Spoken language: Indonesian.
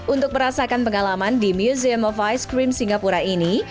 untuk merasakan pengalaman di museum of vice cream singapura ini